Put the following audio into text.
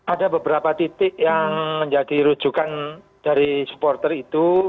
ada beberapa titik yang menjadi rujukan dari supporter itu